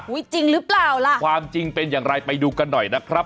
จริงหรือเปล่าล่ะความจริงเป็นอย่างไรไปดูกันหน่อยนะครับ